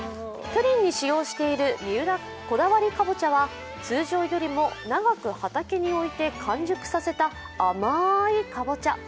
プリンに使用している三浦こだわりかぼちゃは通常よりも長く畑に置いて完熟させた甘いかぼちゃ。